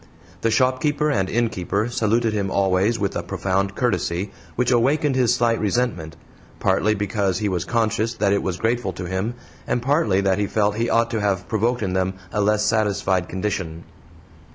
The shopkeeper and innkeeper saluted him always with a profound courtesy which awakened his slight resentment, partly because he was conscious that it was grateful to him, and partly that he felt he ought to have provoked in them a less satisfied condition.